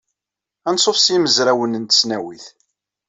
Anṣuf s yimezrawen n tesnawit.